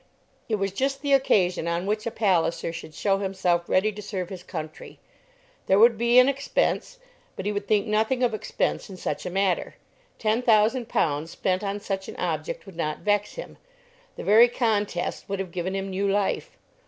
It was just the occasion on which a Palliser should show himself ready to serve his country. There would be an expense, but he would think nothing of expense in such a matter. Ten thousand pounds spent on such an object would not vex him. The very contest would have given him new life.